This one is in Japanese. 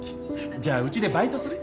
じゃあうちでバイトする？